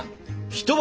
一晩！